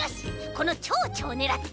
このちょうちょをねらって。